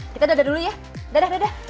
kita dadah dulu ya dadah dadah